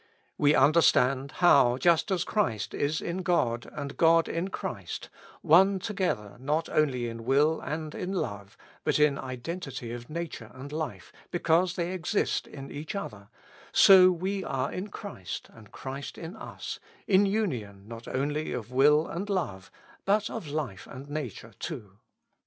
We understand how, just as Christ is in God, and God in Christ, one together not only in will and in love, but in identity of nature and life, because they exist in each other, so we are in Christ and Christ in us, in union not only of will and love, but of life and nature too.